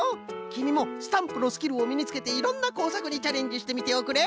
きみもスタンプのスキルをみにつけていろんなこうさくにチャレンジしてみておくれ。